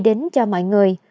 đến cho mọi người